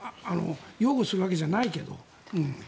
擁護するわけじゃないけど。